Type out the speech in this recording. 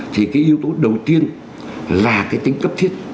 thì cái yếu tố đầu tiên là cái tính cấp thiết